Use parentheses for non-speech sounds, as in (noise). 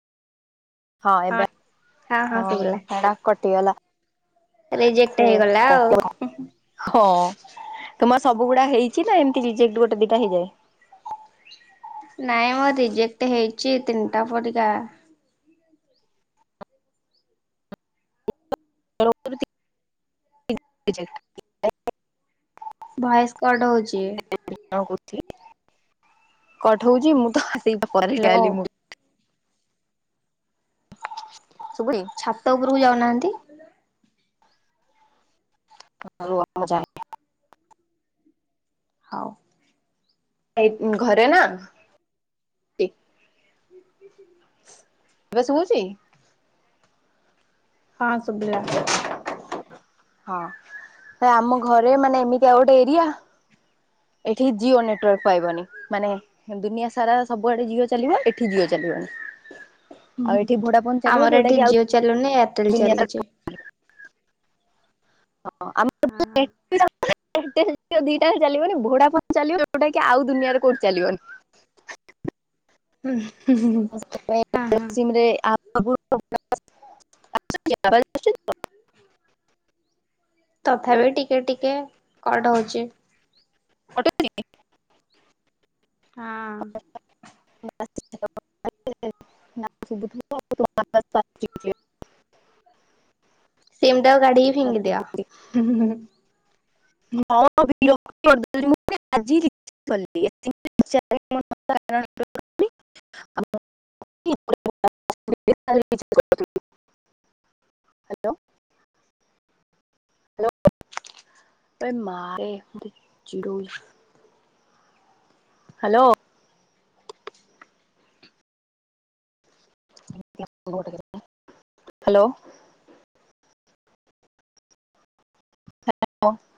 ହଁ ଏବେ ହଁ ସେଟା କଟିଗଲା। ରିଜେକ୍ଟ ସେ ହେଇଗଲା ଆଉ। କଟିଗଲା, ହଁ ତମର ସବୁଗୁଡା ହେଇଛି ନା ଏମତି ରଜେକ୍ଟ ଗୋଟେ ଦିଟା ହେଇଯାଏ? ନାଇଁ ମ ରିଜେକ୍ଟ ହେଇଛି ତିନିଟା ପରିକା। (inaudible) ଭୟସ କଟ୍ ହଉଛି। କଟ୍ ହଉଛି। ମୁଁ ସେଇତ ହ୍ୟାଲୋ (unintelligible) ମୁଁ ଶୁଭୁନି? ଛାତ ଉପରକୁ ଯାଉନାହାନ୍ତି। ହଉ ଆଉ ମୁଁ ଯାଏ। ହଉ ଘରେ ନା (unintelligible) ଏବେ ଶୁଭୁଛି? ହଁ ଶୁଭିଲା। ହଁ ଆମ ଘରେ ମାନେ ଏମିତି ଆଉ ଗୋଟେ ଏରିଆ ଏଠି ଜିଓ ନେଟୱାର୍କ ପାଇବନି ମାନେ ଦୁନିଆ ସାରା ସବୁଆଡେ ଜିଓ ଚାଲିବ ଏଠି ଜିଓ ଚାଲିବନି। ଆଉ ହୁ ଏଠି ଭୋଡା ଫୋନ ଚାଲିବ ଆମର ଯୋଉଟା ଏଠି କି ଆଉ ଜିଓ ଚାଲୁନି (unintelligible) ଦୁନିଆ ସାରା ଚାଲୁଚି। ହଁ ଆମର (inaudible) ହଁ ଦିଟାଙ୍କ ଚାଲିବନି ଭୋଡା ଫୋନ୍ ଚାଲିବ ଯୋଉଟା କି ଆଉ ଦୁନିଆରେ କୋଉଠି ଚାଲିବନି। ହୁଁ। ସେଥିପାଇଁ ହଁ ହଁ ସିମ୍ (inaudible) ତଥାପି ଟିକେ ଟିକେ କଟ ହଉଛି। (unintelligible) ହଁ। (unintelligible) ସିମ୍ ଟାକୁ କାଢ଼ିକି ଫିଙ୍ଗିଦିଅ (inaudible) ହାଲୋ (inaudible) ଏ ମା ରେ ମୋତେ ଚିଡଉଚି। Hello (inaudible) hello.